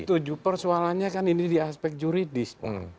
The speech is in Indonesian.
setuju persoalannya kan ini di aspek juridis